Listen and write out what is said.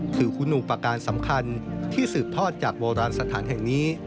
คือคุณอุปการณ์สำคัญที่สืบทอดจากโบราณสถานแห่งนี้